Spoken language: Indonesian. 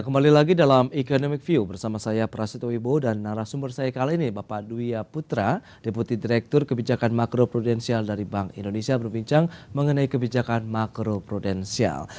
kembali lagi dalam economic view bersama saya prasito ibu dan narasumber saya kali ini bapak duya putra deputi direktur kebijakan makro prudensial dari bank indonesia berbincang mengenai kebijakan makro prudensial